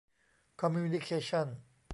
คอมมิวนิเคชั่น